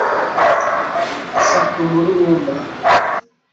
Fata umururumba